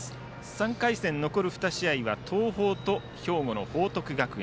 ３回戦、残る２試合は東邦と兵庫の報徳学園。